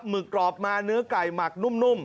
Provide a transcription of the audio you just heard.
ึกกรอบมาเนื้อไก่หมักนุ่ม